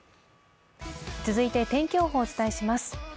続いて天気予報をお伝えします。